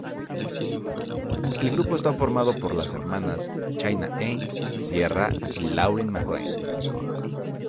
El grupo está formado por las hermanas China Anne, Sierra y Lauryn McClain.